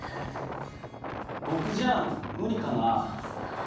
僕じゃ無理かな？